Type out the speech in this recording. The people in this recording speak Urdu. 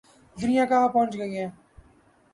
دنیا کہاں پہنچ گئی ہے۔